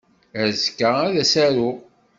Azekka ad as-aruɣ.